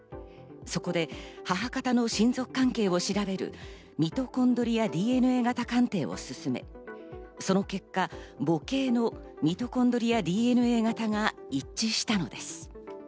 そこで母方の親族関係を調べるミトコンドリアＤＮＡ型鑑定を進め、その結果、母系のミトコンドリアＤＮＡ型が一致したのです。